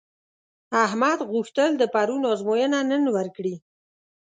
احمد غوښتل د پرون ازموینه نن ورکړي.